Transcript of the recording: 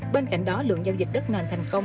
bên cạnh đó lượng giao dịch đất nền thành công